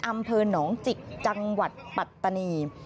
อำเภอหนองจิกจังหวัดปัตตานี